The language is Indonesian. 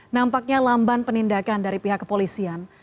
nampaknya lamban penindakan dari pihak kepolisian